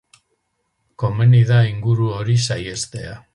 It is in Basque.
Komeni da inguru hori saihestea.